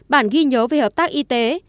bản ghi nhớ về hợp tác y tế